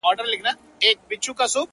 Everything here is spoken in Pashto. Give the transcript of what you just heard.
ماته به بله موضوع پاته نه وي ـ